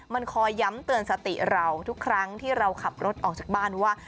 มันคอยย้ำเตือนสติเราทุกครั้งที่เราขับรถออกจากบ้านว่า